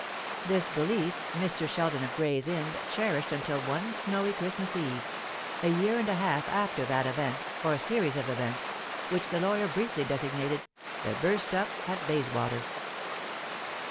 This belief Mr. Sheldon of Gray's Inn cherished until one snowy Christmas Eve, a year and a half after that event, or series of events, which the lawyer briefly designated "the burst up at Bayswater."